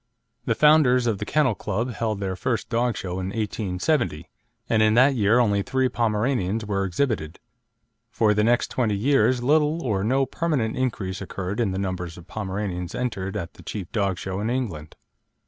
The founders of the Kennel Club held their first dog show in 1870, and in that year only three Pomeranians were exhibited. For the next twenty years little or no permanent increase occurred in the numbers of Pomeranians entered at the chief dog show in England.